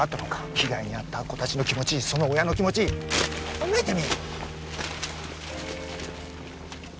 被害に遭った子達の気持ちその親の気持ち考えてみい！